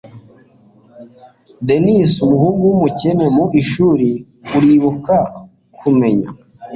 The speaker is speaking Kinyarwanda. dennis, umuhungu w'umukene mu ishuri, uribuka? kumenya